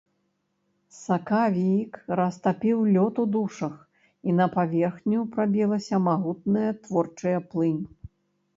Сакавік растапіў лёд у душах, і на паверхню прабілася магутная творчая плынь.